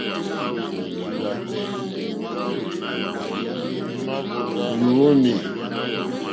Lúúnî.